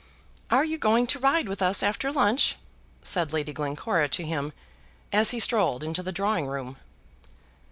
"Are you going to ride with us after lunch?" said Lady Glencora to him as he strolled into the drawing room.